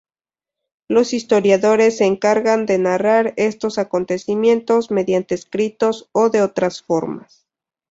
Los historiadores se encargan de narrar estos acontecimientos, mediante escritos o de otras formas.